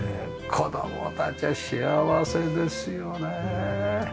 子供たちは幸せですよね。